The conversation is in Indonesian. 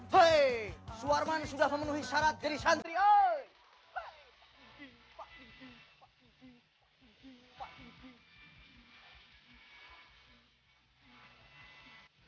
hei su warman sudah memenuhi syarat jadi santri oi